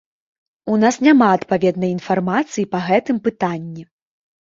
У нас няма адпаведнай інфармацыі па гэтым пытанні.